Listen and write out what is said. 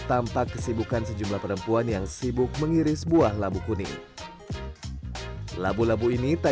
tampak kesibukan sejumlah perempuan yang sibuk mengiris buah labu kuning labu labu ini tak